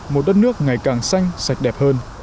một đất nước ngày càng xanh sạch đẹp hơn